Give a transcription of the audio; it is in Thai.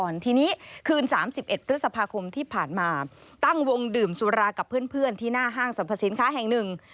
ทีนี้คืน๓๑พฤษภาคมที่ผ่านมาตั้งวงดื่มสุรากับเพื่อนที่หน้าห้างสรรพสินค้าแห่งหนึ่ง